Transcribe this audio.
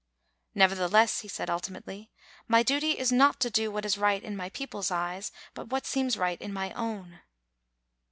"Nevertheless," he said ultimately, "my duty is not to do what is right in my people's eyes, but what seems right in my own."